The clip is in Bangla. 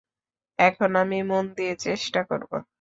এখন আমি মন দিয়ে চেষ্টা করবো।